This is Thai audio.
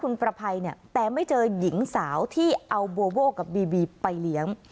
คุณประภัยเนี่ยแต่ไม่เจอหญิงสาวที่เอาโบโวกับบีบีไปเลี้ยง